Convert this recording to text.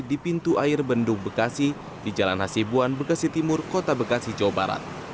di pintu air bendung bekasi di jalan hasibuan bekasi timur kota bekasi jawa barat